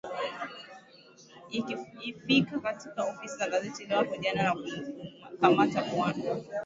ifika katika ofisi ya gazeti hilo hapo jana nakumkamata bwana